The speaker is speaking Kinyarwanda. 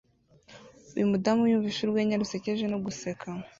Uyu mudamu yumvise urwenya rusekeje no guseka